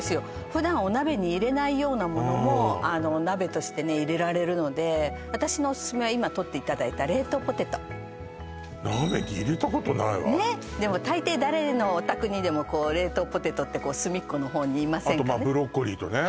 普段お鍋に入れないようなものも鍋としてね入れられるので私のおすすめは今取っていただいた冷凍ポテト鍋に入れたことないわねっでも大抵誰のお宅にでも冷凍ポテトって隅っこのほうにいませんかね